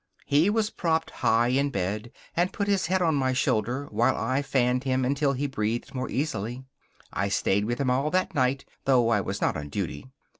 He was propped high in bed and put his head on my shoulder while I fanned him until he breathed more easily. I stayed with him all that night, though I was not on duty.